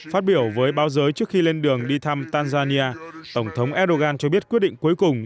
phát biểu với báo giới trước khi lên đường đi thăm tanzania tổng thống erdogan cho biết quyết định cuối cùng